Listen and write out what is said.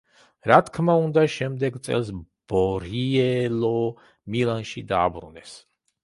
რა თქმა უნდა შემდეგ წელს ბორიელო მილანში დააბრუნეს.